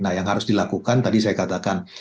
nah yang harus dilakukan tadi saya katakan